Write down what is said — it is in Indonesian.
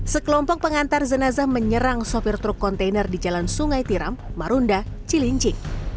sekelompok pengantar jenazah menyerang sopir truk kontainer di jalan sungai tiram marunda cilincing